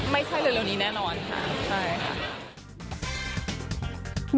ไม่ใช่เร็วนี้แน่นอนค่ะ